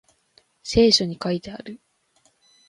聖書に書いてある